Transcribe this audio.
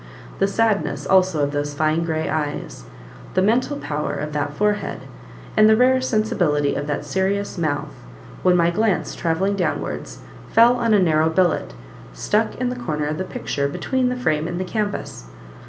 the sadness also of those fine, grey eyes, the mental power of that forehead, and the rare sensibility of that serious mouth, when my glance, travelling downwards, fell on a narrow billet, stuck in the corner of the picture, between the frame and the canvas.